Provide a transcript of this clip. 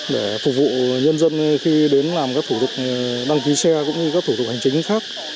để phục vụ nhân dân khi đến làm các thủ tục đăng ký xe cũng như các thủ tục hành chính khác